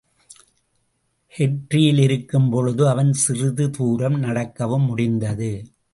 கெர்ரியிலிருக்கும் பொழுது அவன் சிறிது தூரம் நடக்கவும் முடிந்தது.